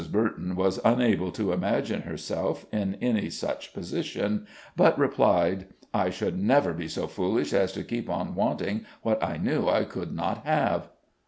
Burton was unable to imagine herself in any such position, but replied: "I should never be so foolish as to keep on wanting what I knew I could not have."